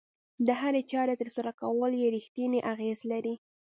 د هرې چارې ترسره کول يې رېښتینی اغېز لري.